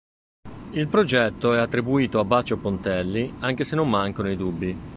Il progetto è attribuito a Baccio Pontelli, anche se non mancano i dubbi.